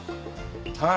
はい。